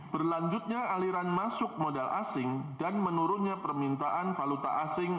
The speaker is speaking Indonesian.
berlanjutnya aliran masuk modal asing dan menurunnya permintaan valuta asing